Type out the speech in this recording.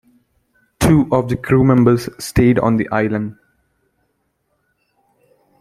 Two of the crewmembers stayed on the island.